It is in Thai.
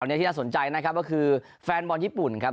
อันนี้ที่น่าสนใจนะครับก็คือแฟนบอลญี่ปุ่นครับ